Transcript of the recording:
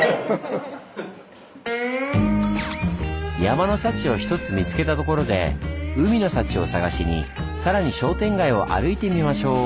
山の幸を１つ見つけたところで海の幸を探しにさらに商店街を歩いてみましょう。